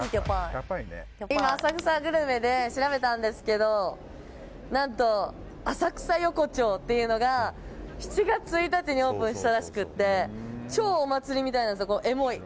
今、浅草グルメで調べたんですけど何と、浅草横町っていうのが７月１日にオープンしたらしくて超お祭りみたいな、エモい！